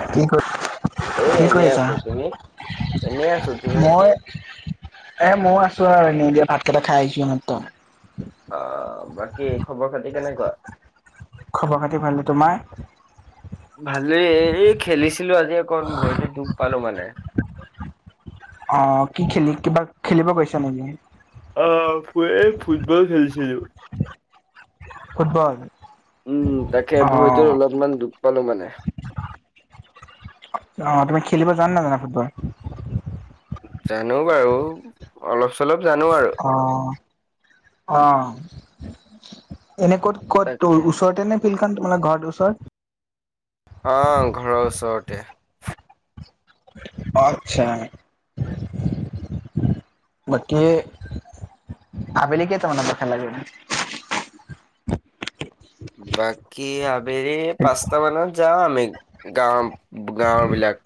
অ', কি কৰি এ কি এনেই কৰিছা? আছো তুমি? এনেই আছো তুমি? মই এ ময়ও আছো আৰু এনেই দিয়া, ভাতকেইটা খাই আহিছো এইমাত্ৰ। অ, বাকী খবৰ-খাতি কেনেকুৱা? খবৰ-খাতি ভালে তোমাৰ? ভাল এই খেলিছিলো আজি অকণ ভৰিত দুখ পালো মানে। অ, কি খেলি কিবা খেলিব গৈছা নেকি? অ, ফুৱে ফুটবল খেলিছিলো। ফুটবল। উম তাকে ভৰিটো অ' অলপমান দুখ পালোঁ মানে। অ তুমি খেলিব জানা নে নাজানা ফুটবল? জানো বাৰু অলপ চলপ জানো আৰু। অহ অ এনে ক'ত ক'ত দোৰ তাকে। ওচৰতে নে‌? ফিলখন তোমালোকৰ ঘৰটো ওচৰত। অ ঘৰৰ ওচৰতে। অ আচ্ছা। বাকী আবেলি কেইটা মানত খেলা গৈ? বাকী আবেলি পাঁচটা মানত যাওঁ আমি গাঁ গাঁৱৰ বিলাক।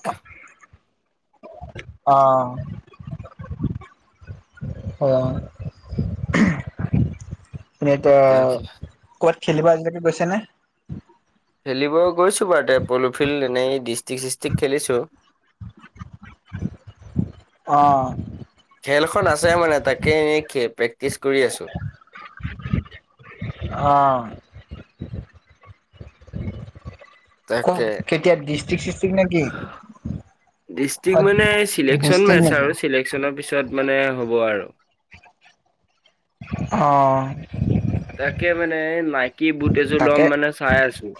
অহ। অহ উমহ। তুমি এতিয়া তাকে ক'ৰবাত খেলিব আজিলৈকে গৈছা নে? খেলিব গৈছোঁ বাৰুতে পল'ফিল্ড এনেই ডিষ্ট্ৰিক চিষ্ট্ৰিক খেলিছোঁ। অঁ। খেলখন আছে মানে তাকে এনে প্ৰেক্টিচ কৰি আছোঁ। অ। তাকে ক'ত কেতিয়া ডিষ্ট্ৰিক চিষ্ট্ৰিক নেকি? ডিষ্ট্ৰিক মানে চিলেকচন ডিষ্ট্ৰিক্ট মেছ নেকি? আৰু চিলেক্ট চিলেক্টচনৰ পিছত মানে হ'ব আৰু অ তাকে মানে নাইকী বুট এযোৰ তাকে ল'ম মানে চাই আছোঁ।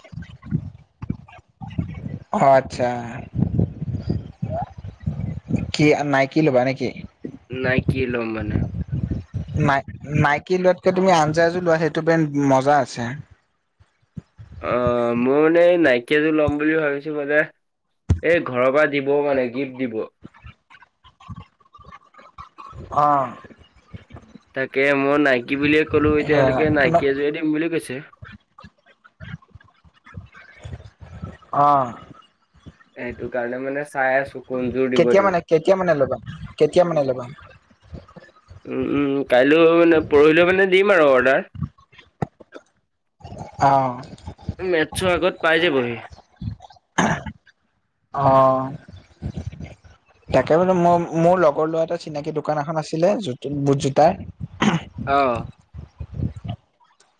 অঁ আচ্ছা কি নাইকী ল'বা নেকি? নাইকী লম মানে। নাই নাইকী লোৱাতকে তুমি আঞ্জাজো লোৱা সেইটো বেন্দ্ৰ মজা আছে‌। অ মোৰ মানে এই নাইকী এযোৰ ল'ম বুলি ভাবিছোঁ মানে এই ঘৰৰ পৰা দিব মানে গিফ্ট দিব। অঁহ। তাকে মই নাইকী বুলিয়ে ক'লো সেয়া এতিয়ালৈকে নাইকী তোমাক এযোৱে দিম বুলি কৈছে। অহ। সেইটো কাৰণে মানে চাই আছোঁ। কেতিয়া মানে কেতিয়া মানে ল'বা কেতিয়া মানে ল'বা? উমম কাইলৈ মানে পৰহিলৈও মানে দিম আৰু অৰ্ডাৰ। অহ। মেতছৰ আগত পাই যাবহি। অঁ। তাকে বোলো মোৰ মোৰ লগৰ ল'ৰা এটা চিনাকি দোকান এখন আছিলে বুট জোতাৰ। অঁ।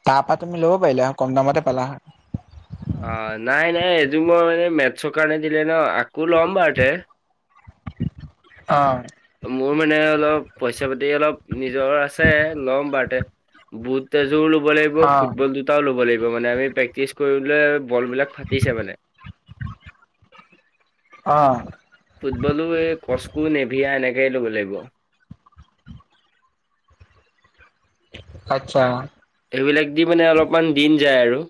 তাপা তুমি ল'ব পাৰিলা হয় কম দামতে পালা। অ নাই নাই এইযোৰ মই মানে মেতছৰ কাৰণে দিলে ন আকৌ ল'ম বাৰু দে। অঁ। মোৰ মানে অলপ পইচা পাতি অলপ নিজৰ আছে লম বাৰু দে। বুট এযোৰ ল'ব লাগিব অ', ফুটবল জো তাও ল'ব লাগিব মানে আমি প্ৰেক্টিচ কৰিলে বল বিলাক ফাটিছে মানে। অহ। ফুটবলো এই কস্কো নেভিয়া এনেকেই ল'ব লাগিব। আতচ্ছা। এইবিলাক দি মানে অলপমান দিন যায় আৰু।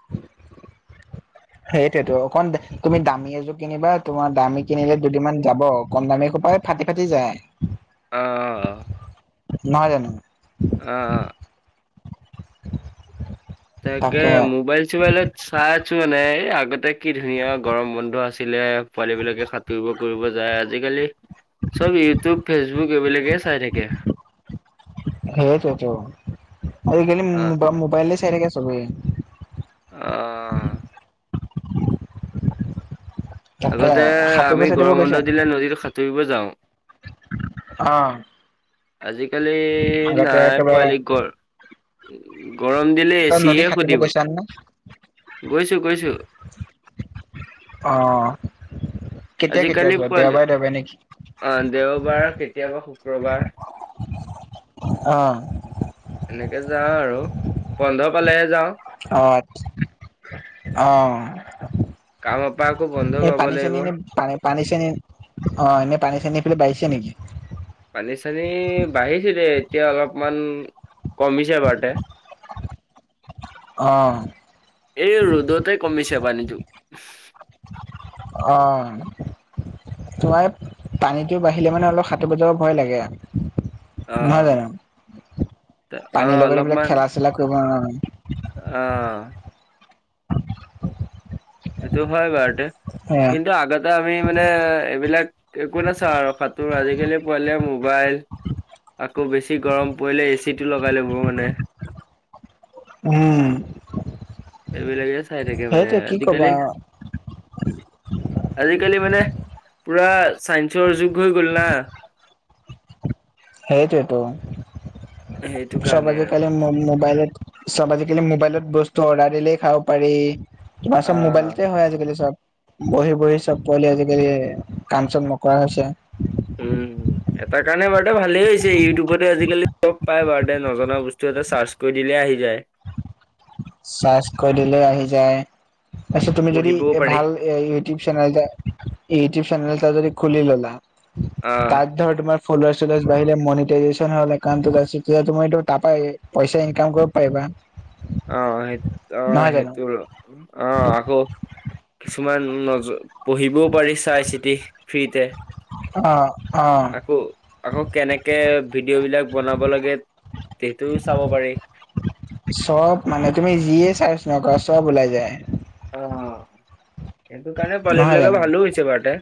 [inaudible] সেইটোৱেটো অকমান বেছি তুমি দামী এযোৰ কিনিবা তোমাৰ দামী কিনিলে দুদিনমান যাব কম দামী সোপা এই ফাটি ফাটি যায়। অঁ, অঁ। নহয় জানো? অঁ অঁ। তাকে মোবাইল চোবাইলত চাই আছোঁ মানে এই আগতে কি ধুনীয়া গৰম বন্ধ আছিলে পোৱালি বিলাকে সা তুৰিব কৰিব যায় আজিকালি চব ইউটিউব, ফেচবুক এইবিলাকে চাই থাকে। সেইটোৱেটো, আজিকালি মো অ', মোবা মোবাইলে চাই থাকে চবে। অঁ। তাকে আগতে সাঁতুৰিব আমি চাতুৰিব গৰম বন্ধ দিলে নদীত সাঁতুৰিব যাওঁ। অঁ। আজিকালি নাই একেবাৰে পোৱালি গ এই গৰম দিলে তই নদী এচিহে সাঁতুৰিব সুধিব গৈছা নে গৈছো গৈছো। অ কেতিয়া কেতিয়া আজিকালি যোৱা পোৱালি দেওবাৰে দেওবাৰে নেকি? অ দেওবাৰ কেতিয়াবা শুক্ৰবাৰ। অহ। এনেকে যাওঁ আৰু বন্ধ পালেহে যাওঁ। অঁ আচ্ছা অহ। কাম পা আকৌ বন্ধ এই পাব পানী চানী লাগিব। এনেই পা পানী চানী অ এনে পানী চানী সেইফালে বাঢ়িছে নেকি? পানী চানী বাঢ়িছিলে এতিয়া অলপমান কমিছে বাৰুতে। অহ। এই ৰ'দতে কমিছে পানীটো। অহ। তোমাৰ এই পানীটো বাঢ়িলে মানে অলপ সাঁতুৰিব যাব ভয় লাগে। নহয় অ'। জানো? অ', পানীৰ লগত এইবিলাক খেলা চেলা কৰিব নাজানো অঁ। সেইটো হয় বাৰুতে সেয়া কিন্তু আগত তে আমি মানে এইবিলাক একো নাচাওঁ আৰু সাঁতোৰ আজিকালি পোৱালিয়ে মোবাইল। আকৌ বেছি গৰম পৰিলে এচিটো লগাই ল'ব মানে। উম। সেইবিলাকে চাই থাকে মানে সেইটোৱে কি আজিকালি কবা আজিকালি মানে পুৰা চাইন্সৰ যুগ হৈ গ'ল না। সেইটোৱেটো, সেইটো চব কাৰণে আৰু আজিকালি ম মোবাইলত চব আজিকালি মোবাইলত বস্তু অৰ্ডাৰ দিলেই খাব পাৰি। তোমাৰ চব অ', মোবাইলতে হয় আজিকালি চব। বহি বহি চব পোৱালি আজিকালি কাম চাম নকৰা হৈছে। উম এটাৰ কাৰণে বাৰু দে ভালেই হৈছে ইউটিউবতে আজিকালি চব চব পাই বাৰু দে নজনা বস্তু এটা চাৰ্চ কৰি দিলে আহি যায়। চাৰ্চ কৰি দিলে আহি যায়। তাৰপিছত তুমি যদি পঢ়িবও এ পাৰি ভাল এই ইউটিউব চেনেল এটা ইউটিউব চেনেল এটা যদি খুলি ল'লা। অহ। তাত ধৰ তোমাৰ ফলৱাৰ্চ চলৱাৰ্চ বাঢ়িলে মনিটাইজেচন হ'লে কামটো বেছিকে তোমাৰ এইটো তাপাই এই পইচা ইনকাম কৰিব পাৰিবা। অঁ সেই অঁ নহয় জানো? সেইটো অঁ আকৌ কিছুমান নজ পঢ়িবও পাৰি চাই চিতি ফ্ৰীতে। অঁ অঁ। আকৌ আকৌ কেনেকে ভিডিঅ' বিলাক বনাব লাগে সেইটোও চাব পাৰি। চব মানে তুমি যিয়ে চাৰ্চ নকৰা চব ওলাই যায়। অঁ সেইটো কাৰণে পোৱালি নহয় বিলাকৰ জানো? ভালো হৈছে বাৰুতে।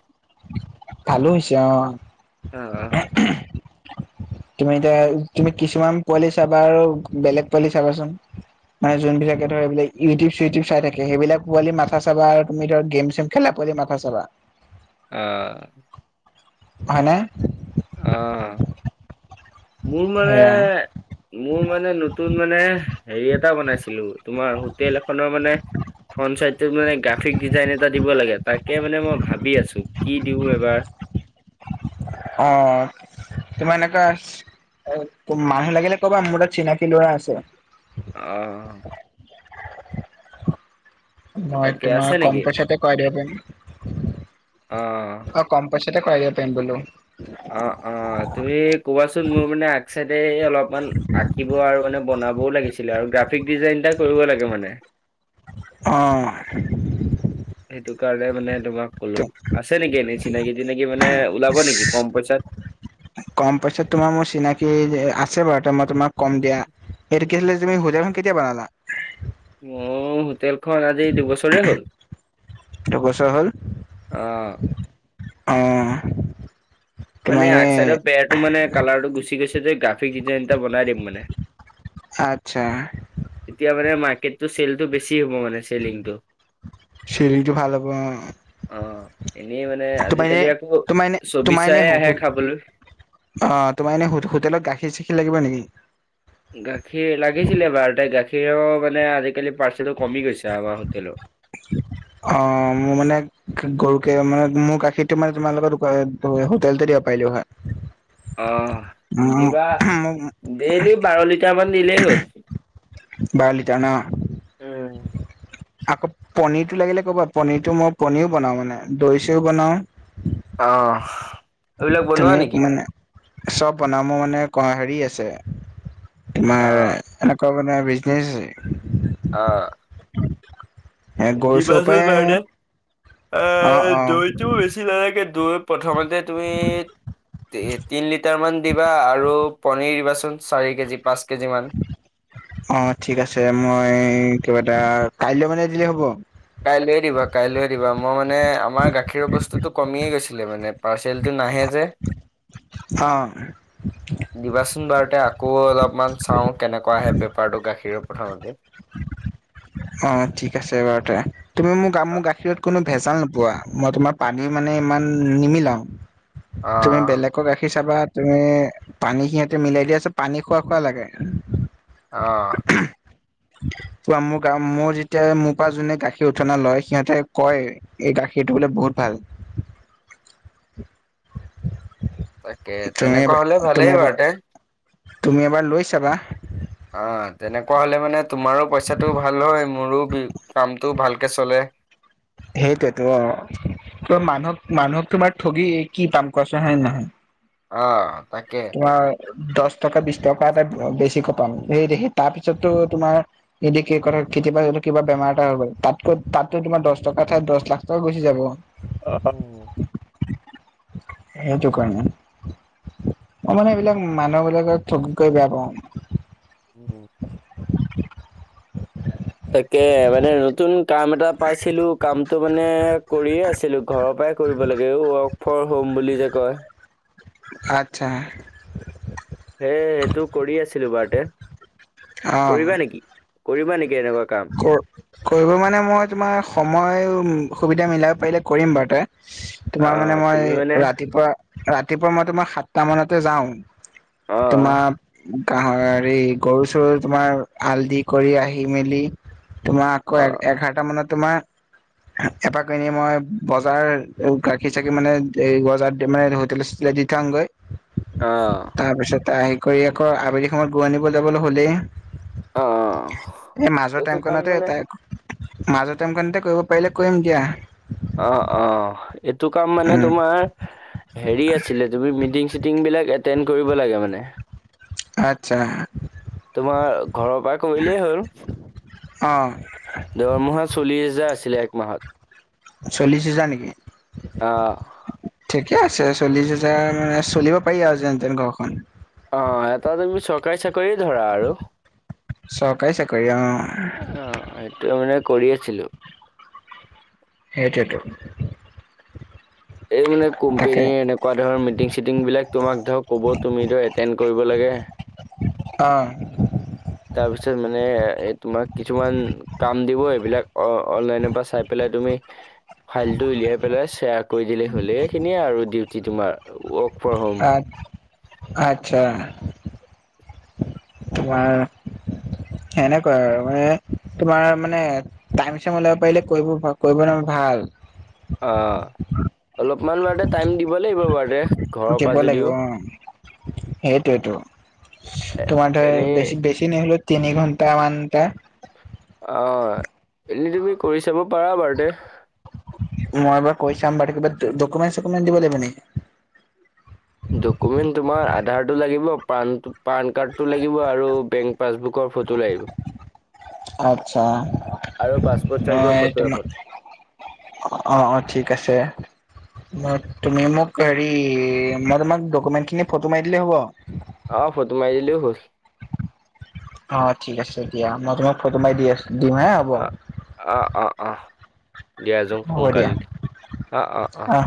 ভালো হৈছে অ। অ অ। তুমি এতিয়া তুমি কিছুমান পোৱালি চাবা আৰু বেলেগ পোৱালি চাবাচোন। মানে যোনবিলাকে ধৰ এইবিলাক ইউটিউব চিটিউব চাই থাকে সেইবিলাক পোৱালি মাথা চাবা আৰু তুমি ধৰা গেম চেম খেলা পোৱালি মাথা চাবা। অহ। হয়নে! অ মোৰ মানে সেয়া মোৰ মানে নতুন মানে হেৰি এটা বনাইছিলো তোমাৰ হোটেল এখনৰ মানে ফ্ৰণ্ট চাইডটোত মানে গ্ৰাফিক ডিজাইন এটা দিব লাগে তাকে মানে মই ভাবি আছো কি দিওঁ এবাৰ। অ তোমাৰ এনেকা মানুহ লাগিলে কবা মোৰ তাত চিনাকি লৰা আছে। অ। মই তাকে আছে তোমাৰ নেকি? কম পইচাতে কৰাই দিব পাৰিম। অ', হক কম পইচাতে কৰাই দিব পাৰিম বোলো। অ অ তুমি কবাচোন মোৰ মানে আগ চাইডে অলপমান আঁকিব- ব আৰু মানে বনাবও লাগিছিলে আৰু গ্ৰাফিক ডিজাইন এটা কৰিব লাগে মানে। অ। সেইটো কাৰণে মানে তোমাক কলো আছে নেকি এনেই চিনাকি তিনাকি মানে ওলাব নেকি কম পইচাত? কম পইচাত তোমাৰ মোৰ চিনাকি আছে বাৰু ত মই তোমাক কম দিয়া। এইটো কি আছিলে তুমি অ', হোটেলখন কেতিয়া বনালা। মোৰ হোটেলখন আজি দুবছৰে হ'ল। দুবছৰ হ'ল, অ'। অ। তোমাৰ মানে এনে আগ চাইডৰ পেৰটো মানে কালাৰটো গুচি গৈছে যে গ্ৰাফিক ডিজাইন এটা বনাই দিম মানে। আত্চ্ছা। তেতিয়া মানে মাৰ্কেটটো চেলটো বেছি হ'ব মানে চেলিংটো। চেলিংটো ভাল হ'ব অ। অ এনেই মানে আজিকালি আকৌ তোমাৰ এনে ছবি তোমাৰ এনে চাই আহে খাবলৈ। অ তোমাৰ এনে হোটেলত গাখীৰ চাখীৰ লাগিব নেকি? গাখীৰ লাগিছিলে বাৰ তাই গাখীৰৰ মানে আজিকালি পাৰ্চেলটো কমি গৈছে আমাৰ হোটেলত। [inaudible] অ মোৰ মানে গৰুকে মানে মোৰ গাখীৰটো মানে তোমাৰ লগত হোটেলতে দিব পাৰিলো হয়। [inaudible] অ দিবা মোক ডেইলি বাৰ লিটাৰ মান দিলেই হ'ল। বাৰ লিটাৰ ন। উম, আকৌ পনীৰটো লাগিলে ক'বা পনীৰটো মই পনিৰও বনাও মানে, দৈ চিও বনাও। অ এইবিলাক তুমি বনোৱা নেকি? মানে চব বনামো মানে হেৰি আছে, [unintelligible] অ। এনে কোৱা মানে বিজনেছ আছে। অ। [inaudible] গৰু চৰুৰ দিবাচুন পৰাই বাৰডে অ এ অ দৈ বেছি লাইকে দৈ প্ৰথমতে তুমি তিন লিটাৰ মান দিবা আৰু পনিৰ দিবাচোন চাৰি, কেজ পাঁচ, কেজি মান। অ ঠিক আছে মই কিবা এটা কাইলৈ মানে দিলে হ'ব। কাইলৈ দিবা কাইলৈ দিবা মই মানে আমাৰ গাখীৰৰ বস্তুটো কমিয়ে গৈছিলে মানে পাৰ্চেলটো নাহে যে। অ। দিবাচোন বাৰুতে আকৌ অলপমান চাওঁ কেনেকুৱা আহে বেপাৰটো গাখীৰৰ প্ৰথমতে। অ ঠিক আছে বাৰুতে। তুমি মোক মোৰ গাখীৰত কোনো ভোল নোপোৱা, মই তমাৰ, পানী মানে ইমান নিমিলাও, তোমি অ', বেলেক [unintelligible] গাখীৰ চাবা, তুমি পানী সিহঁতে মিলাই দিয়া ছত পানী খোৱা খোৱা লাগে। অ'। [unintelligible] মোৰ, মোৰ যেতিয়া মোৰ পৰা যোনে গাখীৰ‌উঠনা লয়, সিহঁতে কয় এইটা সেইটো বোলে বহুত ভাল। [inaudible] তাকে [unintelligible] তুমি তেনেকুৱা হ'লে [unintelligible] ভালেই তুমি [unintelligible] প বাৰুতে। তুমি এবাৰ লৈ চাবা। অ তেনেকুৱা হলে মানে তোমাৰো পইচাটো ভাল হয়, মোৰো [unintelligible] কামটো ভালকে চলে। সেইটোৱেতো অ', কি কয় মানুহক, মানুহক তোমাৰ ঠগি কি পাম কোৱাচোন, হয়নে নহয়। অ তাকে। তোমাৰ দছ টকা, বিছ টকা এটা, বেছি ক পাম, সেইি তাৰপিছতো তোমাৰ এদ [unintelligible] কি [unintelligible] ক কেতিয়াবা যদি কিবা বেমাৰ এটা [unintelligible] হ তাতকো তাতো তোমাৰ দহ টকা ঠাই দহ লাখ তই গুচি যাব। অ [unintelligible] হোতো কাৰণে। মই মানে এইবিলাক মানুহ বিলাকক ঠগকৈ বেয়া পাওঁ। উম [unintelligible] তাকে, মানে নতুন কাম এটা পাইছিলো, কাম তটো মানে কৰিয়ে আছিলো, ঘৰৰ পৰাই কৰিব লাগে, এই ৱৰ্ক ফ্ৰৰ্ম হোম বুলি যে কয়। আত্ছা। সে সেইটো কৰি আছিলো বাৰুতে। অ কৰিবা নেকি? কৰিবা নেকি এনেকুৱা কাম? [unintelligible] কৰিব মানে মই তোমাৰ সময় সুবিধা মিলাব পাৰিলে, কৰিম বাৰু তে। তোমাৰ মানে অ', মই তুমি মানে ৰাতিপুৱা ৰাতিপুৱা মই তোমাৰ সাতটা মানতে যাওঁ, অহ তোমাৰ কহা, হেৰি গৰু-চৰু তোমাৰ হাল দি কৰি আহি মেলি তোমাৰ আকৌ অ এঘাৰটা মানে তোমাৰ এপাক ক এনে মই বজাৰ গাখীৰ চাকি মানে, বজাৰত মানে হোটেল দি থৈয় আহো গৈ। অ'। তাৰপিছত হে কৰি আকৌ, আবেলি সময়ত গৰু আনিব যাবলৈ হ'লেই। অ' এইটো কাম মানে মাজত টাম কানতে কৰিব পাৰিলে কৰিম দিয়া। অ-অ, এইটো কাম মানে উম তোমাৰ হেৰি আছিলে, তুমি মিটিং-চিটিং বিলাক এটেড কৰিব লাগে মানে। আচ্ছা। তোমাৰ ঘৰৰ পৰা কৰিলেই হ'ল। অ দৰমহা চল্লি হাজাৰ আছিলে এক মাহত। চল্লিশ হাজাৰ নেকি? অ [unintelligible] ঠিকে আছে চল্লিশ হোজাৰ মানে, চলিব পাৰি আৰু যেনতেন ঘৰখন। অ', এটা তুমি চৰকাৰী চাকৰিয়ে ধৰা আৰু। চৰকাৰী চাকৰি, অ হে অ'। [unintelligible] ত মানে কৰি আছিলো। সেইটোৱেতো। এই মানে কোম্পেীৰ তাকে এনেকুৱা ধৰ মিটিং-চিটিং বিলাক তোমাক ধৰক কব, তুমি ধৰ এটেণ্ড কৰিব লাগে। অ'। তাৰ পিছত মানে, এই তোমাক কিছুমান কাম দিব এইবিলাক অ অনলাইনৰ পৰা চাই পেলাই তুমি ফাইলটো উলিয়াই পেলাই শ্বেয়াৰ কৰি দিলে হ'লে সেইখিনিয়ে আৰু ডিউটি তোমাৰ ৱ- আ আত্চ্ছা। তোমাৰ সেনেকুৱা আৰু মানে তোমাৰ মানে টাইম চাইম ওলিয়াব পাৰিলে কৰিব কৰিব টাইমত ভাল। অ অলপমান বাৰু টাইম দিব লাগিব বাৰু দে। দিব লাগিব অ, সেইটোৱে ত। এ- তোমাৰ দ্বাৰা এনেই বেছি বেছি নহ'লেও তিনি ঘণ্টা মানটা। অ এনেই তুমি কৰি চাব পাৰা বাৰু দে। মই বাৰু কৈ চাম বাৰুতে কিবাত ডকুমেণ্ট চকমেণ্ট দিব লাগিব নি? ডকুমেন্ট তোমাৰ আধাৰটো লাগিব পান পান কাৰ্ডটো লাগিব আৰু বেংক পাছবুকৰ ফটো লাগিব। আত্চ্ছা আৰু পাছপৰ্ট চাইজৰ মই ফটো তোমাক এখন। অ অ ঠিক আছে। তুমি মোক হেৰি মই তোমাক ডকুমেন্ট খিনি ফটো মাৰি দিলে হ'ব? অ ফটো মাৰি দিলেও হ'ল। অ ঠিক আছে দিয়া মই তোমাক ফটো মাৰি দি আছো দিওঁ হা, হ'ব। আহ অ অ দিয়া যোঙ হ'ব দিয়া সোনকালি দি অ অ অ। অহ।